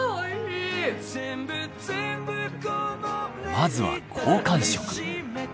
まずは好感触。